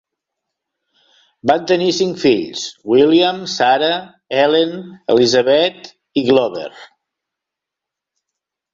Van tenir cinc fills: William, Sara, Helen, Elizabeth i Glover.